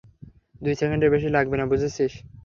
দুই সেকেন্ডের বেশি লাগবে না, বুঝেছিস?